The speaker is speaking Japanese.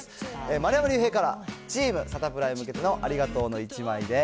丸山隆平から、チームサタプラへ向けてのありがとうの１枚です。